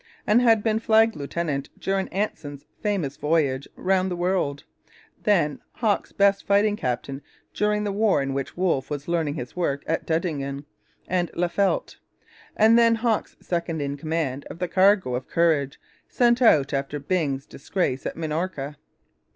He had been flag lieutenant during Anson's famous voyage round the world; then Hawke's best fighting captain during the war in which Wolfe was learning his work at Dettingen and Laffeldt; and then Hawke's second in command of the 'cargo of courage' sent out after Byng's disgrace at Minorca.